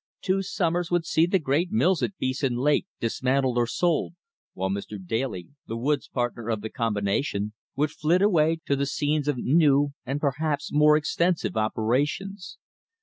Two summers would see the great mills at Beeson Lake dismantled or sold, while Mr. Daly, the "woods partner" of the combination, would flit away to the scenes of new and perhaps more extensive operations.